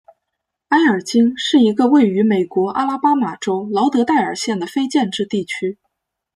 埃尔金是一个位于美国阿拉巴马州劳德代尔县的非建制地区。